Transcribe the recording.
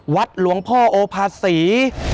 วัดหลวงพ่อโอภาษี